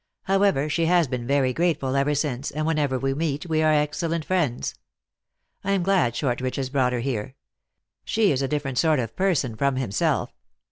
However, she has been very grateful ever since, and whenever we meet we are excellent friends. I am glad Shortridge has brought her here. She is a differ ent sort of person from himself.